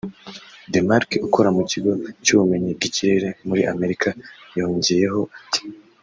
Dimarcq ukora mu kigo cy’ubumenyi bw’ikirere muri Amerika yongeyeho ati